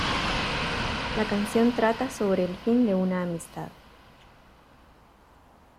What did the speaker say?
La canción trata sobre el fin de una amistad.